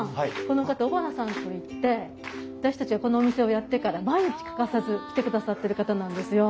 この方尾花さんといって私たちがこのお店をやってから毎日欠かさず来てくださってる方なんですよ。